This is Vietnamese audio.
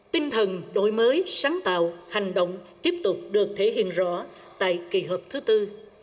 tinh thần đổi mới sáng tạo hành động tiếp tục được thể hiện rõ tại kỳ họp thứ tư